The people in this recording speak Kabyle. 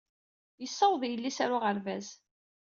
Yessaweḍ yelli-s ɣer uɣerbaz.